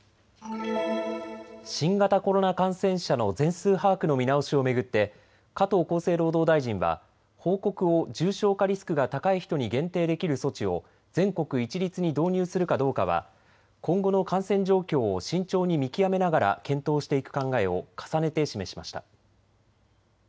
新型コロナ感染者の全数把握の見直しを巡って加藤厚生労働大臣は報告を重症化リスクが高い人に限定できる措置を全国一律に導入するかどうかは今後の感染状況を慎重に見極めながら検討していく考えを重ねて示しました。